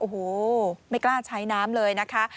โอ้โหไม่กล้าใช้น้ำเลยนะคะ